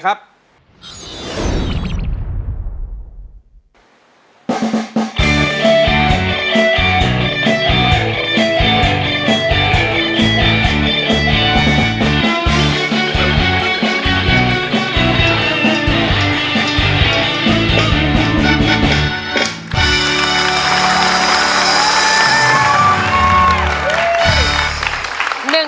ใช้